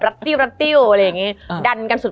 มันทำให้ชีวิตผู้มันไปไม่รอด